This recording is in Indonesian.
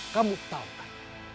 kamu tahu kan